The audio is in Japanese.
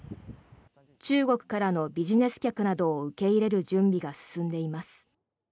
中国からのビジネス客などを受け入れる準備が進んでいます。